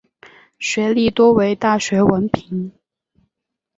学历多为大学文凭。